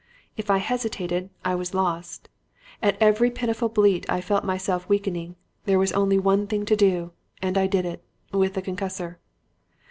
If I hesitated I was lost. At every pitiful bleat I felt myself weakening. There was only one thing to do, and I did it with the concussor.